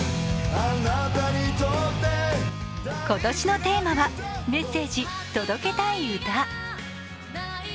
今年のテーマは「メッセージ届けたい歌」。